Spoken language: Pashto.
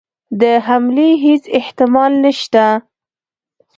د حملې هیڅ احتمال نسته.